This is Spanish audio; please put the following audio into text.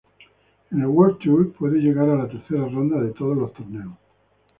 En el World Tour, pudo llegar a la tercera ronda de todos los torneos.